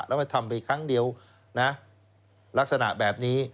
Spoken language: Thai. แล้วไปทำไปครั้งเดียวนะลักษณะแบบนี้